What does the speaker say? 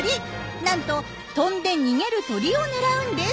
なんと飛んで逃げる鳥を狙うんです。